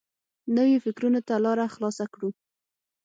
نویو فکرونو ته لاره خلاصه کړو.